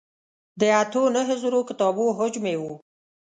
د اتو نهو زرو کتابو حجم یې و.